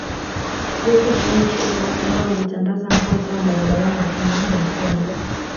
Haikuzuia hisia za watu ambao walitandaza nguo zao barabarani wakimuaga mpendwa